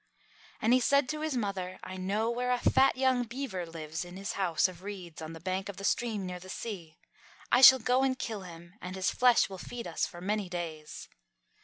And he said to his mother, "I know where a fat young beaver lives in his house of reeds on the bank of the stream near the sea. I shall go and kill him, and his flesh will feed us for many days."